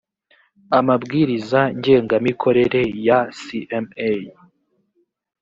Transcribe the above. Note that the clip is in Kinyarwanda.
amabwiriza ngengamikorere ya cma